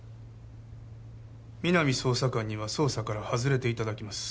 皆実捜査官には捜査から外れていただきます